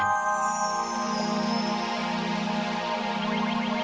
sampai jumpa di video selanjutnya